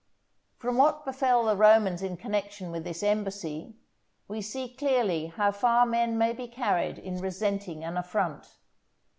From what befell the Romans in connection with this embassy, we see clearly how far men may be carried in resenting an affront.